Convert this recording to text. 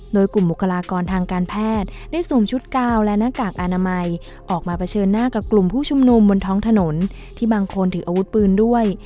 โดยกลุ่มบุคลากรทางการแพทย์ได้สวมชุดกาวและหน้ากากอนามัยออกมาเผชิญหน้ากับกลุ่มผู้ชุมนุมบนท้องถนนที่บางคนถืออาวุธปืนด้วย